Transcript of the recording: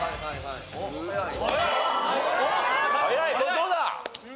どうだ？